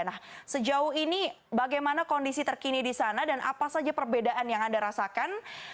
nah sejauh ini bagaimana kondisi terkini di sana dan apa saja perbedaan yang anda rasakan